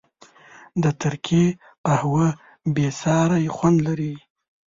د ترکي قهوه بېساری خوند لري.